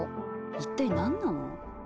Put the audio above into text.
一体何なの？」。